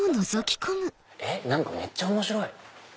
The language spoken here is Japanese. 何かめっちゃ面白い！